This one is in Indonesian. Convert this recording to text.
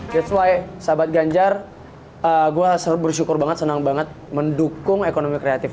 that's why sahabat ganjar gue bersyukur banget senang banget mendukung ekonomi kreatif